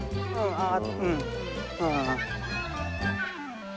ああ。